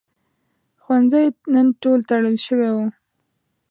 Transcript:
ښوونځی نن تړل شوی و.